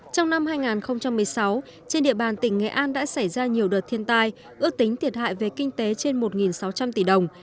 trong năm hai nghìn một mươi sáu trên địa bàn tỉnh nghệ an đã xảy ra nhiều đợt thiên tai ước tính thiệt hại về kinh tế trên một sáu trăm linh tỷ đồng